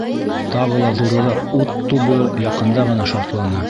Тағы ла ҙурыраҡ ут тубы яҡында ғына шартланы.